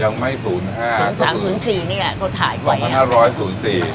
ยังไม่ศูนย์ห้าศูนย์สามศูนย์สี่เนี้ยเขาถ่ายก่อนสองพันห้าร้อยศูนย์สี่